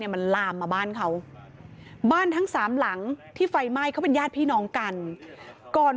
มันลามมาบ้านเขาบ้านทั้งสามหลังที่ไฟไหม้เขาเป็นญาติพี่น้องกันก่อน